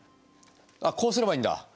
あっこうすればいいんだ。